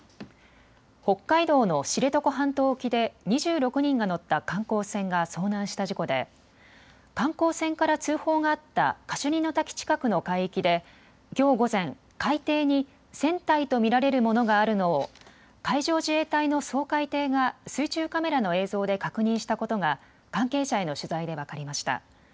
北海道の知床半島沖で２６人が乗った観光船が遭難した事故で観光船から通報があったカシュニの滝近くの海域できょう午前、海底に船体と見られるものがあるのを海上自衛隊の掃海艇が水中カメラの映像で確認したことが関係者への取材で分かりました。